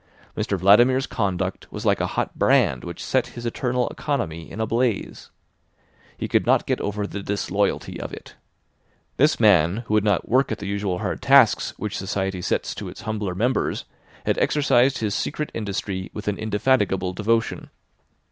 Mr Vladimir's conduct was like a hot brand which set his internal economy in a blaze. He could not get over the disloyalty of it. This man, who would not work at the usual hard tasks which society sets to its humbler members, had exercised his secret industry with an indefatigable devotion.